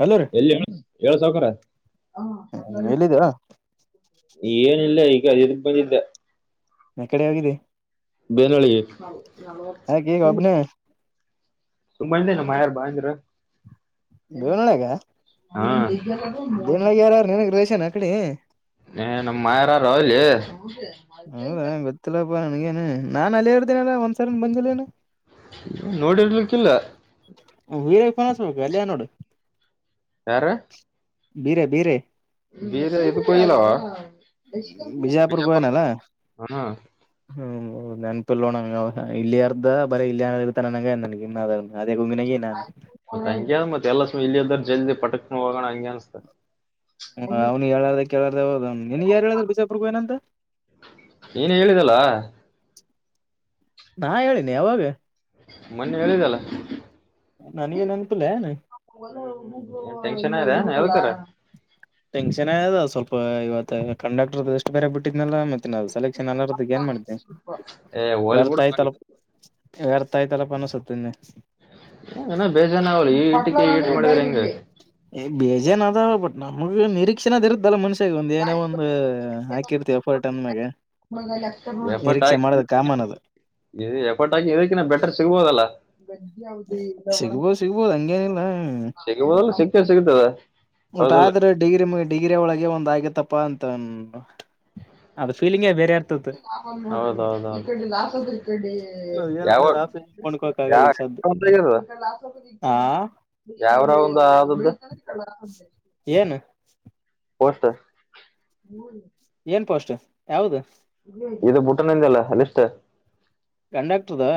Hello ರೀ ಎಲ್ಲಿ ಹೇಳ ಹೇಳ ಸೌಕಾರರ ಎಲ್ಲಿದ್ದ ಏನಿಲ್ಲ ಈಗದರ್ಬಂದಿದ್ದ ಆ ಕಡೆ ಹೋಗಿದ್ದಿ ಬೇನಳ ಯಾಕೆ ಈಗ ಒಬ್ನೇ ತುಂಬ ಇ ನಮ್ಮ ಯಾರು ಬಾಯಂದ್ರ ದೇವೊಳಗ ದೇವನಳಗೆ ಯಾರಾರು ನನಗ್ ರೇಶನ್ ಅಕಡೆ ಏ ನಮ್ಮ ಮಾಯಾರ ರಾವಲಿ ಹೌದಾ ಗೊತ್ತಿಲ್ಲಪ್ಪಾ ನನ್ಗೇನು ನಾನ್ ಅಲ್ಲಿ ಹರ್್ದೇನಲ್ಲ ಒಂದ್ಸರಿ ಬಂದಿಲ್ಲೇನು ನೋಡಿರ್ಲಿಕ್ಕಿಲ್ಲ ಅಲ್ಲನೋಡು ಯಾರ ಬೀರೆ ಬೀರೆ ಬೇರೆ ಇದು ಕೊಯಲವಾ ಬಿಜಾಪುರ್ ಗೋನಲ್ಲ ಹಾ ಹ್ಮ ನನ್ ಇೋ ಇಲ್ಲರ್್ದ ಬರ ಇಲ್ಲ ಇರ್ತ ಮತ್ತ ಹಗೆ ಅನ್ ಮತ್ತ ಎಲ್ಲ ಸ ಇಲ್ಲಿದ್ರ ಜಲ್ದಿ ಪಟಕ್ ಹೋಗೋಣ ಹಂಗೆ ಅನ್ಸ್ತ ಹ ಅವ್ನು ಹೇಳಾರ್ದ ಕೇಳಾರ್ದ ಹೋದ ನೀನ್ ಯಾರು ಹೇಳದ್ರ ಬಿಸಾಪುರ್ಗು ಏನಂತ ನೀಏನ ಹೇಳಿದಲ್ಲ ನಾ ಹೇಳೀಿನಿ ಯಾವಾಗ ಮೊನ್ನೆ ಎದಲ್ಲ ನನಗೆ ನೆನಪಿಲ್ಲ ಏನ್ ಟೆನ್ಷನ್ ಇದೆ ಹೇಳ್ತಾರ ಟೆನ್ಕ್ಷನ್ದ ಸ್ವಲ್ಪ ಇವತ್ತು ಕಂಡಕ್ಟರ್ ಎಷ್ಟು ಬೇರೆ ಬಿಟ್ಟಿದ ಮ ನ ಸೆಲೆಕ್ಷನ್ಲ್ಲ ಏನ್ ಮಾಡ ಏ ಹೋಲ್ ವ್ಯರ್ಥ ಬಿಡು ಆಯ್ತ ಾಯ್ತಲ್ಲಪ್ಪ ಅಸುತ್ತೆ ಏನ ಬೇಜಾನ ಆಗಲ್ಲ ಈ ಹಟಕ್ಕೆ ಮಾಡಿದ್ರ ಬೇಜನ ಅದ ಬಟ್ ನಮಗೆ ನಿರೀಕ್ಷಣದರುತ್ತಲ್ಲ ಮನುಷ ಒ ಏನೇ ಒಂದು ಹಾಕಿರ್ತೀವ ಫೋರಟನ್ ಮಾಗ ಫ ಎಫರ್ಟ್ ಅದು ಹಾಕಿ ಇದಕ್ಕಿ ಬೆಟರ್ ಸಿಗ್ಬೋದಲ್ಲ ಸಿಗ್ಬೋದು ಸಿಗ್ಬೋದು ಹಂಗೇನಿಲ್ಲ ಸಿಗ್ಬೋದಲ್ಲ ಸಿಗ್ತೇವ ಸಿಗ್ತದ ಒಟ್ ಹೌದಲ್ಲ ಆದ್ರೆ ಡಿಗ್ರಿ ಡಿಗ್ರಿ ಒಳಗೆ ಒಂದ ಆಗುತ್ತೆ ಪ್ಪಾ ಅಂತ ಅದ ಫೀಲಿಂಗೇ ಬೇರೆ ಇರ್ತತ್ ಲಾಭಡೆ ನಾವ್ ಏನ್ ಯಾವ ಮಾಡಿದ್ರ ಆ ಫೀಲಿಂಗ್ ಕೊಂಡ್ಕೋಕ್ ಯ ಆಗಲ್ಲ ಈಗ ಸದ್ದ ಆ ಯಾವರ ಒಂದು ಆದದ್ದ [unintelligible] ವಷ್ಟತ ಪೋಸ್ಟ್ ಯಾವ್ದ ಇದು ಬೂಟನ್ಿಂದ ಅಲ್ಲ ಅಲ್ಲಿಷ್ಟ ಕಂಡಕ್ಟರ್ದಾ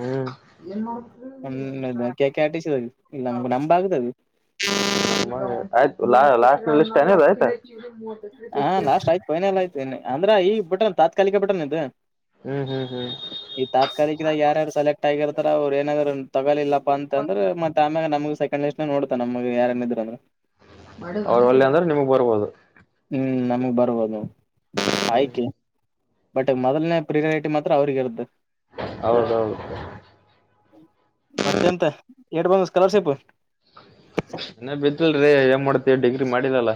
ಹ್ಮ್ ಹ ಕೇಕೆ ಆಟಿಸ ಇಲ್ಲ ನಮಗು ನಂಬ ಆಗತದು ಆಯ್ತು ಲಾ ಲಾಸ್ಟ್ ನ ಲಿಸ್ಟ ಏನದ ಆಯ್ತಾಯ ಹಾ ಲಾಸ್ಟ್ ಆಯ್ತು ಫೖನಲ್ಲ್ ಆಯ್ತ ಅಂದ್ರ ಈಗ ಬಟನ್ ತಾತ್ಕಾಲಿಕ ಬಟನ್ ಇದು. ಹ್ಮ್ ಹ್ಮ್ ಹ್ಮ್ ಈ ತಾತ್ಕಾಲಿಕದಾಗ ಯಾರ್ಯಾರು ಸೆಲೆಕ್ಟ್ ಆಗಿರ್ತಾರ ಅವ್ರು ಏನಾದ್ರು ತಗೋಲಿಲ್ಲ. ಪ್ಪ ಅಂತಂದ್ರೆ ಮತ್ ಆಮೇಲೆ ನಮಗೆ ಸೆಕಂಡ್ ಇತ್ ನೋಡ್ತ ನಮ್ ಯಾರನಿದ್ರು ಅಂದ್ರ. ಅವರೊಲ್ಲೆ ಅಂದ್ರೆ ನಿಮಗ್ ಬರ್ಬೋದು. ಹ್ಮ್ ನಮ್ಗ್ ಬರ್ಬೋದು ಆಯ್ಕೆ. ಬಟ್ ಮೊದಲ್ನೇ ಪ್ರಿಯಾರ್ಟಿಟಿ ಮಾತ್ರ ಅವ್ರಗ ಇರ್ತದ್. ಹೌದೌದು ಮತ್ತೆಂತ ಏಟ್ ಬಂತು ಸ್ಕಾಲರ್ಶಿಪ್ಪು. ಇನ್ನ ಬಿತ್ತಿಲ್ರಿ ಏನ್ ಮಾಡತಿ ಡಿಗ್ರಿ ಮಾಡಿಲ್ಲಲ್ಲ.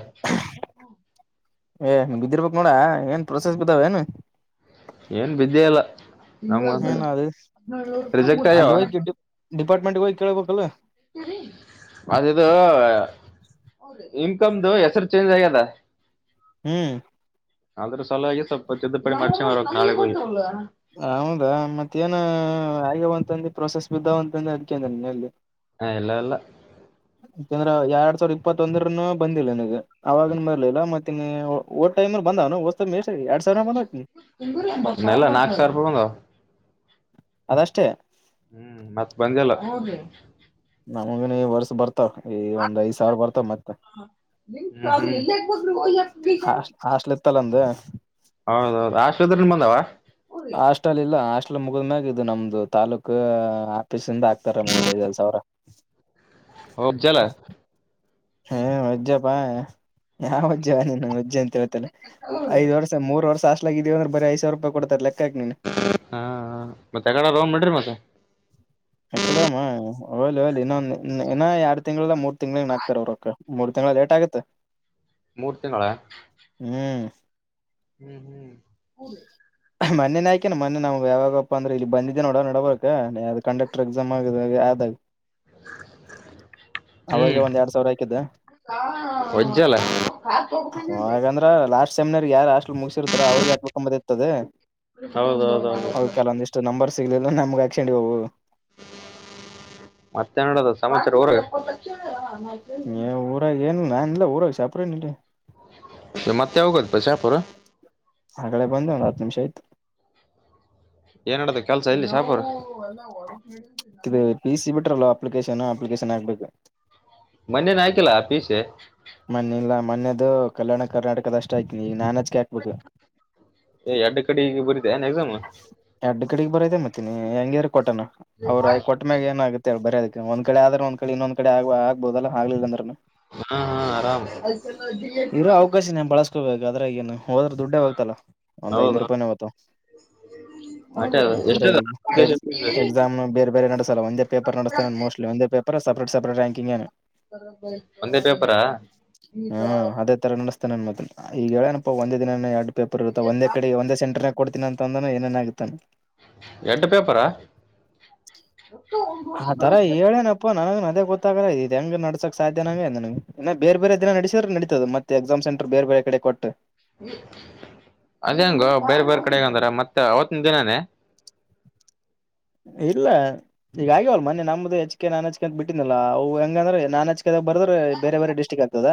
ಏ ಬಿದ್ದಿರ್ಬೇಕ್ ನೋಡ ಏನ್ ಪ್ರೋಸೆಸ್ ಬಿದ್ದಾವೇನು. ಏನ್ ಬಿದ್ದೆ ಇಲ್ಲ ನಮ್ ಏನ್ ಅದು ರಜೆಕ್ಟ್ ಅಯ್ಯಾವ. ಡಿಪಾರ್ಟ್ಮೆಂಟ್ಗೋಗಿ ಕೇಳ್ಬೇಕಲ್ಲ. ಅದಿದು ಇನ್ಕಮ್ದು ಹೆಸರ್ ಚೇಂಜ್ ಆಗ್ಯದ. ಹ್ಮ್ ಆದ್ರೆ ಸಲ ಆಗಿ ಸ್ವಲ್ಪ ತಿದ್ದುಪಡಿ ಮಾಡ್ಚಿರಕ್ ನಾಳೆ ಹೌದಾ ಮತ್ತೇನ ಆಗ್ಯವಂತಂದು ಪ್ರೊಸೆಸ್ ಬಿದ್ದವಂತಂದು ಅದಕಂದಲ್ಲಿ. ಹ ಇಲ್ಲ ಇಲ್ಲ. ಯಾಕಂದ್ರ ಎರಡ್ ಸಾವಿರ ಇಪ್ಪತ್ತೊಂದರನು ಬಂದಿಲ್ಲ ನಿನಗೆ ಅವಾಗನ ಬರ್ಲಿಲ್ಲ ಮತ್ತೆ [unintelligible] ಹೋದ್ ಟೖಮಿಗ್ ಬಂದನು ನೆಲ್ಲ ನಾಕು ಸಾವಿರೂಪಾಯ್ ಬಂದಾವು. ಅದಷ್ಟೇ. ಹ್ಮ್ ಮತ್ತ್ ಬಂದಿಲ್ಲ. ನಮಗಿನು ಈ ವರ್ಷ ಬರ್ತವ್ ಈ ಒಂದ್ ಐದ ಸಾವಿರ ಬರ್ತ ಮತ್ತೆ. [unintelligible] ಇತ್ತಲಂದ ಹೌದೌದು ಆಶ್ಲದಿಂದು ಬಂದಾವ? ಹಾಸ್ಟೆಲ್ ಇಲ್ಲ ಹಾಸ್ಟೆಲ್ ಮುಗಿದ್ಮ್ಯಾಗ ಇದು ನಮ್ದು ತಾಲೂಕು [unintelligible] ಆಗ್ತಾರ ಮುಂದ್ ಐದ್ ಐದ್ ಸಾವಿರ. ಓ ಚಲ್ಲ. ಹ್ಮ ನಮ್ಮಜ್ಜಿ ಬಾ. ಯಾವಜ್ಜೀ ನಿಮ್ಮಜ್ಜೀ ಅಂತ ಹೇಳ್ತಲ್ಲ ಐದ ವರ್ಷ ಮೂರ್ ವರ್ಷ ಅಷ್ಟು ಲ ಈ ಇದೇ ಬರೆ ಐದ್ ಸಾವರೂಪಾಯಿ ಕೊಡ್ತಾರ್ ಲೇ. ಹಾ ಮತ್ತೆ [unintelligible] ನಡ್ರಿ ಮತ್ತೆ ಹೋಲ್ ಹೋಲಿ ಇನ್ನೊ ಇನ್ನ ಎರಡ್ ತಿಂಗಗಳ ಮೂರ್ ತಿಂಗ್ಳಗ್ನಾಕ್ತಾರೆ ಅವರಕ್ ಮೂರ್ ತಿಂಗ್ಗಳ ಲೇಟ್ ಆಗತ್ತೆ. ಮೂರು ತಿಂಗಳಾ? ಹ್ಮ್ ಹ್ಮ್ ಹ್ಮ್ ಮೊನ್ನೇನಾಯ್ಕೇನ ಮೊನ್ನೆ ನಾವು ಯಾವಾಗಪ್ಪ ಅಂದ್ರ ಇಲ್ಲಿ ಬಂದಿದ್ದೇ ನೋಡ ನಡ್ಬಬೇಕ ಅ ಕಂಡಕ್ ಎಕ್ಸಾಮ್ ಆದಾಗ ಅವಾಗೆ ಹ್ಮ್ ಒಂದ್ ಎರಡ್ ಸಾವಿರ ಹಾಕಿದ್ದೆ. [unintelligible] ಸೆಮ್ನರ್ಗ ಯಾರ ಆಷ್ಟ ಮುಗ್ಸಿರ್ತರ್ ಅವ್ರ್ಗೆ ಹಾಬೇಕಂಬಿರ್ತದೆ ಹೌದೌದೌದು ಅವಕೆಂದಿಷ್ಟು ನಂಬರ್ ಸಿಗ್ಲಿಲ್ಲ [unintelligible] ಮತ್ತೇನಡದ ಸಮಾಚಾರ ಊರಾಗ? ಏ ಊರಾಗ ಏನ್ ನಾನಿಲ್ಲ ಊರಾಗ [unintelligible] ಇ ಮತ್ತೆ ಯಗತ್ತು ಶಪುರ ಆಕಡೆೇ ಬಂದೆ ಒಂದ್ ಹತ್ತು ನಿಮಿಷ ಆಯ್ತು. ಏಲ್ ನಾಡತ ಕೆಲ್ಸ ಇಲ್ಲಿ ಶಾಂಪೂರ? ಇದು ಪಿ ಸಿ ಬಿಟ್ರಲ್ವಾ ಅಪ್ಲಿಕೇಶನ್ ಅಪ್ಲಿಕೇಶನ್ ಹಾಕ್ಬೇಕು. ಮನ್ನೆನೇ ಆಯ್ತಲ್ಲ ಪಿ ಸಿ. ಮೊನ್ನೆ ಇಲ್ಲ ಮೊನ್ನೆದು ಕಲ್ಯಾಣ ಕರ್ನಾಟಕದಷ್ಟೆ ಆಯ್ತು. ಕ್ಯಾಕ್ ಬುಕ್ ಎರಡು ಕಡೆಗೆ ಬರೀದೆ ಏನ್ ಎಕ್ಸಾಮ್ ಹಾ ಎಡು ಕಡಿ ಬರದೇ ಮತ್ತನಿ ಹೆಂಗಿದ್ರ ಕೊಟ್ಟಣ ಅವ್ರ ಕೊಟ್ಟ ಮ್ಯಾಗ ಏನಾಗಗುತ್ತೆ ಬರದಕ್ಕೆ ಒಂದ್ ಕಡೆ ಆದ್ರೆ ಒಂದ್ ಕಡೆ ಇನ್ನೊಂದ್ಡೆ ಆಗ್ಬೋದಲ್ಲ ಆಗ್ಲಿಲ್ಲಂದ್ರನು ಹಾ ಹಾ ಆರಾಮ ದ್ರೆಗನು ಹೋದ್ರ ದುಡ್ಡೇ ಹೋಗ್ತಲ್ಲಾ ಒಂದ್ ಐನೂರು ರೂಪಾಯಿನ ಹೊತ್ತು ಹಟ ಅಂದ್ರೆ ಎಕ್ಸಾಮ್ ಬೇರೆ ಬೇರೆ ನಡಸಲ್ಲ ಒಂದೇ ಪೇಪರ್ ನಡೆಸ್ತೇ ಮೋಸ್ಟ್ಲಿ ಒಂದೇ ಪೇಪರ್ ಅ ಸಪೇಟ್ ಸಪೇಟ್ ರ್ಯಾಿಂಗ ಒಂದ ಪೇಪ ಹ್ಮ್ ಅದೇ ತರ ನಡೆಸ್ತೇ ನನ್ ಮದ ಈಗ ಹೇಳನಪ್ಪ ಒಂದೇ ದಿನ ಎರಡು ಪೇಪರ್ರುತ್ತಂದ ಕಡೆ ಒಂದ ಸೆಂಟರ್ ನ ಕೊಡ್ತೀನ ಅಂತಂದಾನ ಏನ ಆಗತ್ತತ ಎಟ ಪೇಪರಾ ಆ ತರ ಹೇಳೇನಪ್ಪ ನನಗೆ ಮದ ಗೊತ್ತಾಗ ಇದು ಹೆಂಗ ನಡಸಕ್ ಸಾಧ್ಯ ನಂಗೆನಗೆ ಬೇರೆ ಬೇರೆ ದಿನ ನಡಸಿದ್ರ ನ ಮತ್ತ ಎಕ್ಸಾಮ್ ಸೆಂಟರ್ ಬೇರೆ ಬೇರೆ ಕಡೆ ಕೊಟ್ಟು ಅದ ಹೆಂಗ ಬೇರೆ ಬೇರೆ ಕಡೆಗ ಅಂದಾರ ಮತ್ತೆ ಅವತ್ತ ನಿ ದಿನಾನೇ ಹ ಇಲ್ಲ ಈಗ ಆಗ್ಯವಲ್ ಮನೆೆ ನಮ್ದು ಹೆಚ್ಕೆ ನಾನ್ ಹೆಚ್ೆ ಅಂತ ಬಿಟ್ಟಿನಲ್ಲಾ ಅವು ಹೆಂಗಂದ್ರೆ ನಾನ್ ಹೆಚ್ೆ ಬರದ್ರೆ ಬೇರೆ ಬೇರೆ ಡಿಸ್ಟ್ರಿಕ್ ಆಗ್ತದ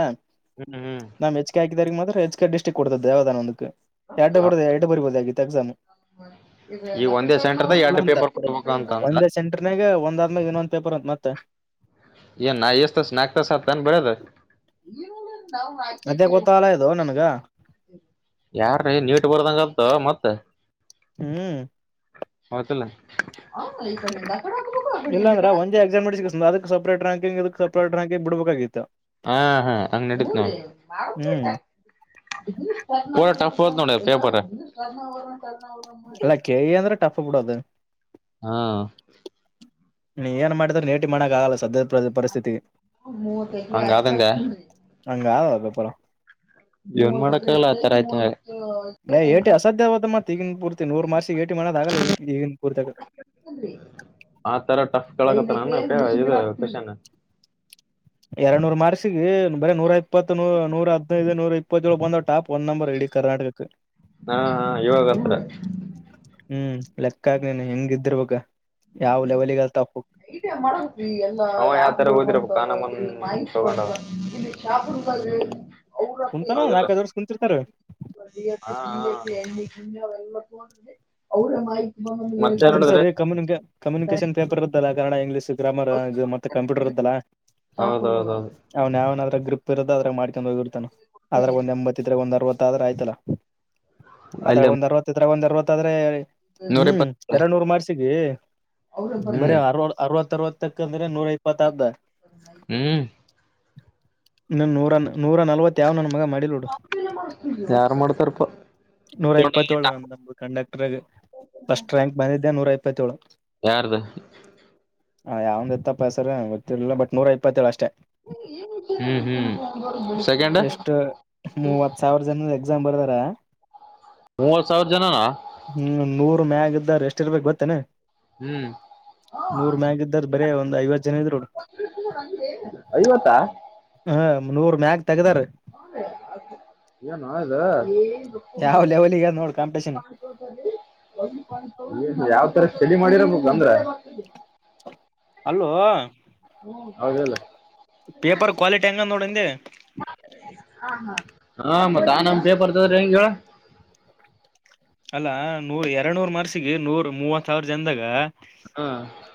ಹ್ಮ್ ಹ್ಮ್ ನಾ್ ಹೆಚ್ಚಗೆ ಹಾಕಿದ್ರ ಮಾತ್ರ ಎಚ್ ಕೆ ಡ್ಟಿಕ್ ಕೊಡ್ತದ ದೇವದಾನ ಅಕ್ಕೆ ಎರಡ್ ಬದ ಎಟು ಬರ್ಬೋದು ಆಗತ್ತು ಎಕ್ಸಾಮು ಈ ಒಂದೇ ಸೆಂಟರ್ದ ಇಲ್ಲ ಎರಡು ಅಂತ ಪೇಪರ್ ಕೊಡ್ಬೇಕು ಅಂತಂದ್ರ ಒಂದೇ ಸೆಂಟ್ರನಾಗ ಒಂದ ಆದ್ಮ್ಯಾಗೆ ಇನ್ನೊಂದ್ ಪೇಪರ್ ಅಂತ ಮತ್ತೆ ಎಏ ನ ಎಸ್ತಸ ನಾಕ್ತಾಸತಾನ ಬರತ ಅದೇ ಗೋತಹಾಲ ಇದು ನನ್ಗ ಯಾರ್ರೀ ನೀಟ್ ಬರ್ದಂಗತ ಮತ್ತ ಹ್ಮ್ ಹೌತ್ತಲ್ಲ ಇಲ್ಲ ಅಂದ್ರ ಒಂದ ಎಕ್ಸಾಮ್ ಅದಕ್ ಸಪ್ರೇಟ್ ರಕಂಕಂಗ್ ಇದಕ್ ಸಪ್ರೇಟ್ ರ್ಯಾಂಿಂಗ್ ಬಿಡ್ಬೇಕಾಗಿತ್ತು ಹಾ ಹಾ ಅಂಗ ಹ್ಮ್ ಎನರ ಟ್ ಹದ ನೋಡ ಪೇಪರ್ ಟಪ್ಪ ಕೂಡದು ಹಾ ನೀ ಏನ್ ಮಾಡಿದ್ರ ನೇಟಿ ಮಾಡೋಕ್ ಆಗಲ್ಲ ಸದ್ಯ ಪರಿಸ್ಥಿತಿ ಹಂಗಾದಂಗ ಹಂಗಪರ ವನ್ ಮಾಡಕ್ ಗಲ್ಲ ಆ ತರ ಆಯ್ತ ಮ ಏಟಿ ಅಸಾಧ್ಯ ಆದ ಮತ್ತತ್ ಈಗಿನ ಪೂರ್ತಿ ನೂರು ಮಾರ್ಷಕ್ಕೆ ಏಟಿ ಮೋದ ಆಗಲ್ಲ ಈಗಿನ ಪೂರ್ತಿಿಯಗ ಆತರ ಟಫ್ ಕೆಳಗತ್ತ ನ ಇ ಕನ್ ಎರಡ್ ನೂರ್ ಮಾರ್ಕ್ಸಿಗೆ ಬರ ನೂರ ಇಪ್ಪತ್ೂ ನೂರ ಹದ್ಿನೈದು ನೂರ ಇಪ್ಪತ್ತೊಳಗೆ ಬಂದವ್ ಟಾಪ್ ಫೋನ್ ನಂಬರ್ ಡಿ ಕರ್ನಾಟಕಕ್ಕೆ ಹಾ ಹಾ ಇವಾಗ ಅತ್ರ ಹ್ಮ್ ಲೆಕ್ಕ ಆಗ್ಲೇನ್ ಹೆಂಗ ಇದರ್ಬೇಕ ಯಾವ ಲೆವೆಲ್ಗ ಅಲ್ತ ಯಾವರ ಹದಿರ ಇನ್ನು ಚಾಪಿಡ್ಬದು ಹೌದು ಕುಂತಾನ ಅಲ್ಲ ನಾಲ್ಕೈದು ವರ್ಷ ಕುಂತಿರ್ತಾರ ಹ ಹ ಹ ಅವರ ಅದನ್ನ ಮಾಹತಿ ಸರಿ ಕಮ್ಯುನಿಕ ಕಮ್ಯುನಿಕೇಶನ್ ಪೇಪರ್ ಇದ್ದಲ್ಲ ಕನ್ನಡ ಇಂಗ್ಲೀಷ್ ಗ್ರಾಮರ್ ಇದು ಮತ್ತೆ ಕಂಪ್ಯೂಟರ್ ಇದ್ದಲ್ಲ ಹೌದೌದೌದು ಅವನ ಅವನಲ್ಲ ಗ್ರಪ್ ಇರೋದ ಅದ್ರಾಗ ಮಾಡ್ಕೊಂಡ್ ಹೋಗಿರ್ತಾನ ಅದ್ರಾಗ ಒಂದ್ ಎಂಬತ್ ಇದ್ರ ಒಂದ್ ಅರವತ್ತ ಆದ್ರ ಆಯತಲ್ಲ ಅಲ್ಲಿ ಅದ್ರಾಗ ಒಂದ್ ಅರವತ್ ಇದ್ರಾಗ ಒಂದ್ ಅರವತ್ ಆದ್ರೆ ನೂರ ಎಪ್ಪ ಹ್ಮ್ ಎರಡ್ ನೂರು ಮಾಡ್ಸಿಗೆ ಬರ ಅ ಅರವರವತ್ತಕ್ಕ ್ರ ನೂರ ಇಪ್ಪತ್ತ ಹ್ಮ್ ನೂರ ನೂರ ನಲ್ವತ್ ಯಾವ ನನ್ ಮಗ ಮಾಡಿಲೋಡು ಯಾರ್ ಮಾಡ್ತಾರಪ್ಪ ನೂರ ಇಪ್ಪತ್ತೇಳು ನ ನಮ ಕಂಡಕ್ಟರ್ ಪ್ಸ್ಟ್ ರ್ಯಾಂಕ್ ಬಂದಿದ್ದೆ ನೂರ ಇಪ್ಪತ್ತೇಳು ಯಾರ್ದು ಹ ಯಾವಂದ್ ಇತ್ತಪ್ಪಾ ಸಸರ ಗೊತ್ತಿರ್ಲಿಲ್ಲ ಬಟ್ ನೂರ ಇಪ್ಪತ್ತೇಳು ಅಷ್ಟೇ ಹ್ಮ್ ಹ್ಮ್ ಸೆಕೆಂಡ್ ಎಷ್ಟ ಮೂವತ್ ಸಾವಿರ ಜನದ ಮೂವತ್ ಸಾವಿರ ಜನನ ನ ಮ ಎಷ್ಟ ಇರ್ಬೇಕು ಬತ್ತೇಾನನೆ ಹ್ಮ್ ನೂರ್ ಮ್ಯಾಗ ಇದ್ದಾರ ಬರೇ ಒಂದು್ ಐವತ್ತು ಅಐವತ್ತಾ ಹ ನೂರ್ ಮ್ಯಾಗ ತೆಗ್ದಾರ ಏನ್ ಇ್ದ ಯಾವ ಕ ಲೆವೆಲ್ಗ ನೋಡ್ ಕಾಂಪಿಟೇಷನ್ ಕೊಲ್ಲಿ ಯಾವ್ ತರ ಚಲಿ ಮಾಡಿರಬೇಕು ಅಂದ್ರ ಅಲೋ ಹೌದಲ್ಲ ಪೇಪರ್ ಕ್ವಾಲಿಟಿ ಹೆಂಗ ನೋಡಂದೆ ಹಾ ಮತ್ತತ್ ನಮ್ ಪೇಪರ್ತದ್ರ ಹೆಂಗ ಹೇಳ ನೂ ಎರಡ್ ನೂರ್ ಮರ್ಸಿಗೆ ನೂರ ಮೂವತ್ಾವ್ರ ಜನದಾಗ ಹ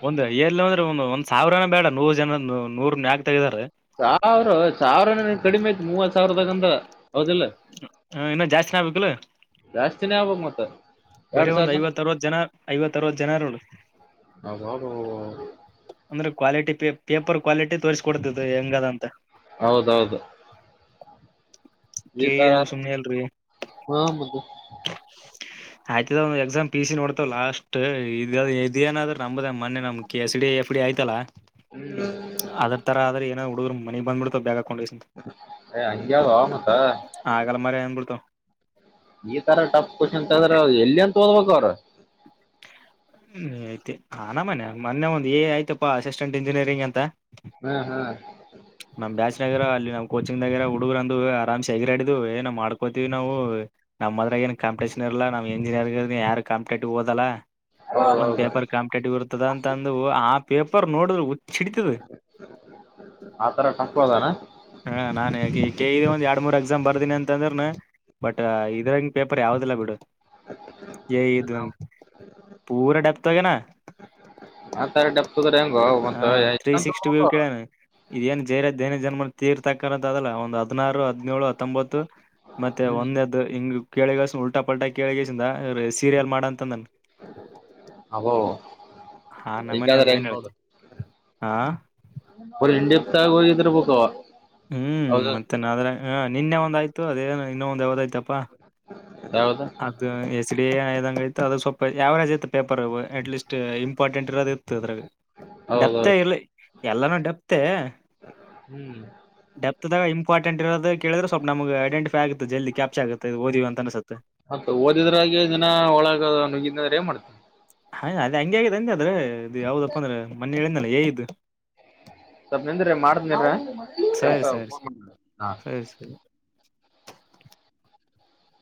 ಒಂದ ಎ ಒ ಒಂದ್ ಸಾವಿರನ ಬೇಡ ನೂರು ಜನ ನೂರ್ನ್ಕ ಸಾವಿರ ಸಾವಿರನ ಕಡಿಮೆ ಆಯ್ತು ಮೂವತ್ ಸಾವಿರದಗಂದ್ರ ಹೌದಿಲ್ಲ ಆ, ಇನ್ನ ಜಾಸ್ತಿನ ಆಗ್ಬೇಕಲ್ಲ ಜಾಸ್ತಿನೇ ಆಗ್ಬಕ್ ಮತ್ತ ಬರೀ ಎರಡ್ ಸಾವಿರ ಒಂದ್ ಐವತ್ ಅರವತ್ ಜನ ಐವತ್ತ ಅರವತ್ ಜನರ ಅಂದ್ರೆ ಕ್ವಾಲಿಟಿ ಪ ಪೇಪರ್ ಕ್ವಾಲಿಟಿ ತೋರಿಸಕೊಡ್ತದೆ ಹೆಂಗದಂತ ಇ ಯ ಹಾ ಬು ಆಯ್ತದ್ ಎಕ್ಸಾಮ್ ಪಿ ಸಿ ನೋಡ್ತವ ಲಾಸ್ಟ್ ಇದ ಇದ ಏನಾದ್ರ ನಂಬ್ದ ಮೊೆ ನಮ್ ಎಸ್ ಡಿ ಎಫ್ ಡಿ ಆಯ್ತಲ್ಲಾ ಅದರ್ ತರ ಆದ್ರೆ ಏನೋ ಹುಡುಗರು ಮನೆಗ್ ಬಂದ್ಬಿಡ್ತ ಬ ೊಂಡ ಏ ಹಂಗ್ಯಾವ ಮತ್ತ ಆಗಲ ಮರಂಬಳತ ಈ ತರ ಟಫ್ ಕ್ವಶನ್ ಅಂತ್ರೆ ಎಲ್ಲಿ ಅಂತ ಓದ್ಬೇಕ ಅವ್ರರು ಹ್ಮ ಐತಿ ಹ ನ ಮನೆ ಮೊೆ ಒಂದು ಏ ಆಯ್ತಪ್ಪಾ ಅಸಿಸ್ಟೆಂಟ್ ಇಂಜಿನಿಯರಿಂಗ್ ಅಂತ ಹ್ಮ್ ಹ್ಮ್ ನಮ್ಮ್ ಬಾಜನಗರ ಅಲ್ಲಿ ನಾ ಕೋಚಿಂಗ್ಗರ ಹುಡುಗರು ಅ ಆರಾಮ್ೆಗಿಾಡಿದ್ ಏ ಮಾಡ್ಕೋತೀವಿ ನಾವು ನಮ್ಮದ್ರ ಏ ಕಂಪಿಟೇಷನ್ ಲ್ಲಾವು ಎಜಿನಿಯರ್ ಯಾರ ಕಾಪಿೇಟ್ದ ಒಂದ್ ಹೌದೌದು ಪೇಪರ್ ಕಾಂಪಿಟೇಟಿವ್ ಇರ್ತದ ಅಂತಂದು ಆ ಪೇಪರ್ ನೋಡಿದ್ರ ಸಿಡತದೆ ಆತರ ಟಫ್ ಅದಾನ ಹಾ ನಾನ ಆಗಿ ಒಂದ ಎರಡ್ ಮೂರ್ ಎಕ್ಸಾಮ್ ಬರ್ದಿನಿ ಅಂತ ಅಂದ್ರ ಬಟ್ ಇದ್ರಂಗ ಪೇಪರ್ ಯಾವ್ದಲ್ಲಾ ಬಿಡು ನ ನಾವು ಪೂರ ಡಾಪ್ತಗನಾ ಆತರ ಟಫ್ ಅದ್ರ ಹೆಂಗ ಹ ಮತ್ತ ತ್ರೀ ಹೆಂಗ್ ಸಿಕ್ಸ್ಟಿ ವ್ಯವ್ ತಗೋಬೇಕು? ಕೇಳಣ ಇದೇಏನ್ ಜೈರಾಜ ಜೈನ ಜನ್ಮ ತೀರ್ ತಕ್ಕಂತ ಅದಲ್ಲ ಒಂದು್ ಹದ್ಾರು ಹದ್ಿನೇಳು ಹತ್ತೊಂಬತ್ತು ಮತ್ತೆ ಹ್ಮ್ ಒಂದದ್ದ ಹಿಂಗ ಕೆೇಳಿಗಸ್ ಉಲ್ಟಾ ಪಲ್ಟಾ ಕೇಳಿಗಸ ಸೀರಿಯಲ್ ಮಾಡ ಅಂತಂದನ್ ಹಬೋ ಹಾ ನಮ್ಮನೆ ಎಂಗಾದ ಅದ ರಂಗ ಏನ್ ನೋ ಹೇಳುತ್ತೆ ಹಾ ಇಂಡ ಹೋಗಿದ್ರೆ ಬುಕ್ವಾ ಹ್ಮ್ ಮತ್ತೆ ನಾದ್ರೆ ಹ ನಿನ್ನೆ ಒಂದಾಯ್ತು ಅದೇ ಇನ್ನೊ ಒಂದ್ ಯಾವ್ದಾಯ್ತಪ್ಪಾ ಯಾವ್ದ ಅದು ಎಸ್ ಡಿ ಆದ್ದಂಗಐ ಅದು ಸ್ವಲ್ಪ ಯಾವರೇಜ್ ಇತ್ತ ಪೇಪರ್ ಅಟ್ ಲೀಸ್ಟ್ ಇಂಪಾರ್ಟೆಂಟ್ ಇರೋದ ದ್ರ ಡಪ್ಪ ಹೌದೌದು ಇಲ್ಲಿ ಎಲ್ಲಾನೂ ಡಪ್ತೆ ಹ್ಮ್ ಡೆಪತ್ದಾಗ ಇ ಇಂಪ್ಟೆಂ ಇರೋದು ಕೇಳ್ರೆ ಸ್ಲ್ಪ ನಮಗೆ ಐಡೆಂಟಿೈ ಆಗೆ ಜಲ್ದ ಕ್ಯಾಪ್ಚ್ ಆಗುತ್ತೆ ಓದೀ ಅನ್ಸುತ್ತೆ ಮತ್ತ ಓದಿದ್ರ ಹಾಗೆ ದಿನ ಒಳಗ ನುಗಿದ್ರೆ ಏನ್ ಮಾಡ್ತೇನಿ ಹ ಅದ ಹಂಗ ಆಗಿದೆ ಅಂದ ಅದ್ರೆ ಇದು ಯಾವ್ದಪ್ಪ ಅಂದ್ರೆ ಮಣೆ ಎನಲ್ಲ ಏ ಇದು ಸ್ವಲ್ಪ್ ನಿಂದ್ರಿ ಮಾಡ್ದ್ನ ಸರಿ ಕೆಲ್ಸ ೋನ್ ಸರಿ ಮಾಡ ಹಾ ಸರಿ ಸರಿ